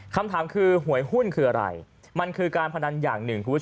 คำถามคือหวยหุ้นคืออะไรมันคือการพนันอย่างหนึ่งคุณผู้ชม